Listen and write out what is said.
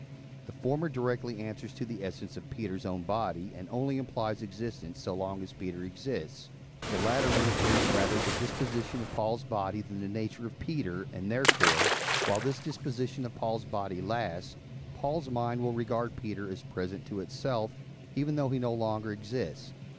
The former directly answers to the essence of Peter's own body, and only implies existence so long as Peter exists; the latter indicates rather the disposition of Paul's body than the nature of Peter, and, therefore, while this disposition of Paul's body lasts, Paul's mind will regard Peter as present to itself, even though he no longer exists.